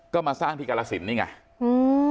ก็มาสร้างพิการศิลป์นี่ไง